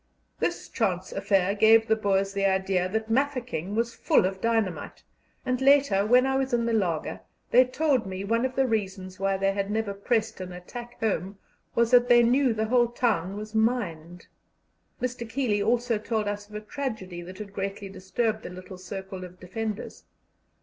This chance affair gave the Boers the idea that Mafeking was full of dynamite, and later, when I was in the laager, they told me one of the reasons why they had never pressed an attack home was that they knew the whole town was mined. Mr. Keeley also told us of a tragedy that had greatly disturbed the little circle of defenders.